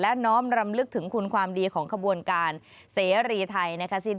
และน้อมรำลึกถึงคุณความดีของขบวนการเสรีไทยนะคะสิ้น